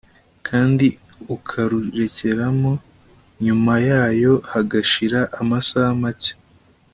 kandi ukarurekeramo nyuma yayo hagashira amasaha macye